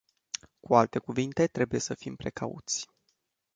Cu alte cuvinte, trebuie să fim foarte precauți.